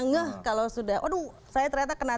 ngeh kalau sudah aduh saya ternyata kena